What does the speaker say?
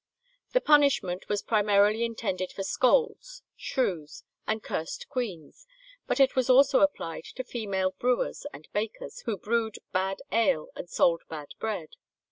The punishment was primarily intended for scolds, shrews, and "curst queens," but it was also applied to female brewers and bakers who brewed bad ale, and sold bad bread.